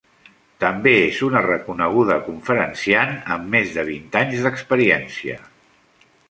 També és una reconeguda conferenciant amb més de vint anys d'experiència.